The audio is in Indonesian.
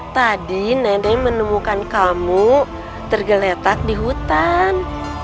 tadi nenek menemukan kamu tergeletak di hutan